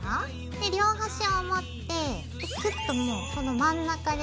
で両端を持ってキュッともうその真ん中で。